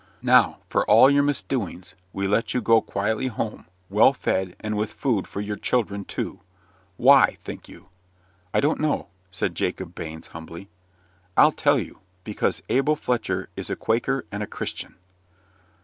Now, for all your misdoings, we let you go quietly home, well fed, and with food for children, too. WHY, think you?" "I don't know," said Jacob Baines, humbly. "I'll tell you. Because Abel Fletcher is a Quaker and a Christian."